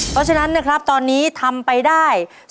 เพราะฉะนั้นนะครับตอนนี้ทำไปได้